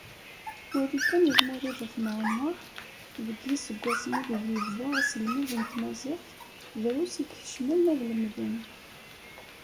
Wali kan Lmulud At Mεemmer deg yiseggasen ideg ibda aselmed n Tmaziɣt, drus i ikeccmen ad lemden.